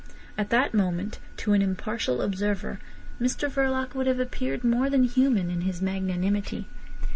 At that moment, to an impartial observer, Mr Verloc would have appeared more than human in his magnanimity.